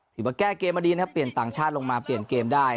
ถือว่าแก้เกมมาดีนะครับเปลี่ยนต่างชาติลงมาเปลี่ยนเกมได้